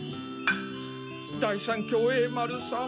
第三協栄丸さん